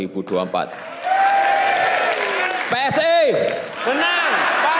psi menang pasti menang